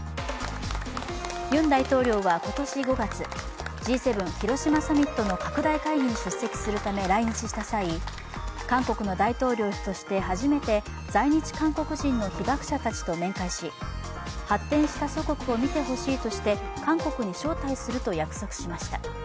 ユン大統領は今年５月、Ｇ７広島サミットの拡大会議に出席するため来日した際、韓国の大統領として初めて在日韓国人の被爆者たちと面会し発展した祖国を見てほしいとして、韓国に招待すると約束しました。